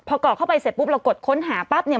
พอก่อเข้าไปเสร็จปุ๊บเรากดค้นหาปั๊บเนี่ย